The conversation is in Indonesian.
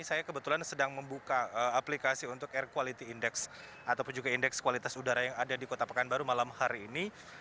saya kebetulan sedang membuka aplikasi untuk air quality index ataupun juga indeks kualitas udara yang ada di kota pekanbaru malam hari ini